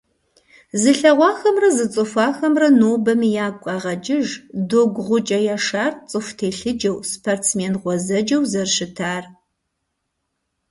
Зылъэгъуахэмрэ зыцӀыхуахэмрэ нобэми ягу къагъэкӀыж Догу-ГъукӀэ Яшар цӀыху телъыджэу, спортсмен гъуэзэджэу зэрыщытар.